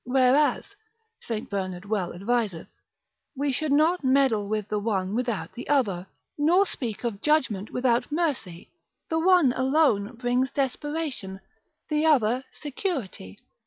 Whereas, St. Bernard well adviseth, We should not meddle with the one without the other, nor speak of judgment without mercy; the one alone brings desperation, the other security.